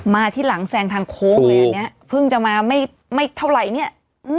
ที่หลังแซงทางโค้งเลยอันนี้เพิ่งจะมาไม่เท่าไหร่เนี่ย